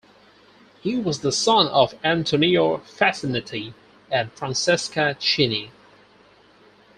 He was the son of Antonio Facchinetti and Francesca Cini.